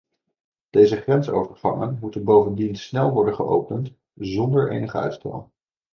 Deze grensovergangen moeten bovendien snel worden geopend, zonder enig uitstel.